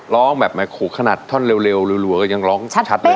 ร้องแบบมายกุขนาดับเลวบวกยังร้องชัดเลยนะครับ